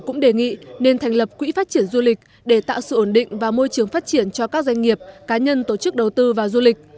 cũng đề nghị nên thành lập quỹ phát triển du lịch để tạo sự ổn định và môi trường phát triển cho các doanh nghiệp cá nhân tổ chức đầu tư vào du lịch